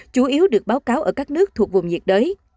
chủ yếu được báo cáo ở các nước thuộc vùng nhiệt đới